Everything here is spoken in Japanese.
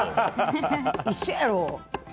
一緒やろ！